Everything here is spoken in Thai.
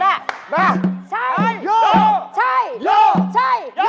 เอาชัยโยก็ได้